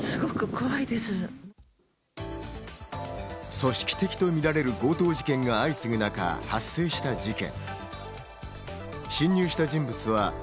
組織的とみられる強盗事件が相次ぐ中、発生した事件。